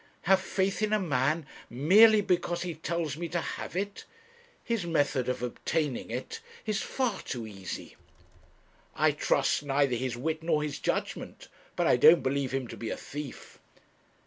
have faith in a man merely because he tells me to have it! His method of obtaining it is far too easy.' 'I trust neither his wit nor his judgement; but I don't believe him to be a thief.'